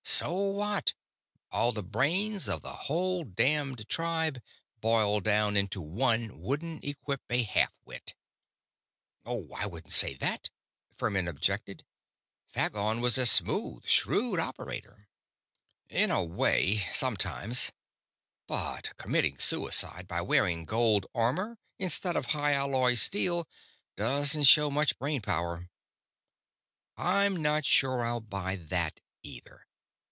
So what? All the brains of the whole damned tribe, boiled down into one, wouldn't equip a half wit."_ "Oh, I wouldn't say that," Furmin objected. "Phagon was a smooth, shrewd operator." _"In a way sometimes but committing suicide by wearing gold armor instead of high alloy steel doesn't show much brain power."_ _"I'm not sure I'll buy that, either.